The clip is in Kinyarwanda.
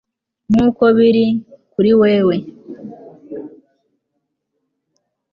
nkuko biri, kuri wewe